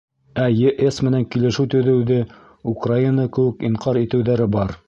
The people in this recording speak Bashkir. Ә ЕС менән килешеү төҙөүҙе Украина кеүек инҡар итеүҙәре бар.